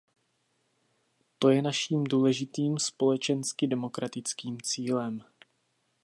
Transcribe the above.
To je naším důležitým společensky-demokratickým cílem.